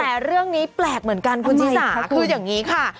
แต่เรื่องนี้แปลกเหมือนกันคุณชิสาคืออย่างนี้ค่ะ